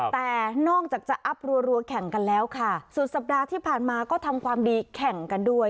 แต่นอกจากจะอัพรัวแข่งกันแล้วค่ะสุดสัปดาห์ที่ผ่านมาก็ทำความดีแข่งกันด้วย